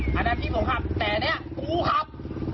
ขอดูโทรศัพท์นะครับ